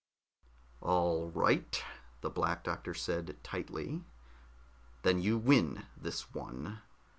"All right," the Black Doctor said tightly. "Then you win this one.